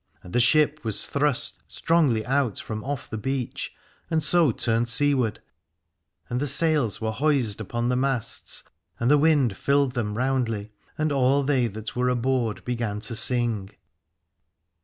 And the ship was thrust strongly out from off the beach, and so turned seaward, and the sails were hoised upon the masts, and the wind filled them roundly, and all they that were aboard began to sing.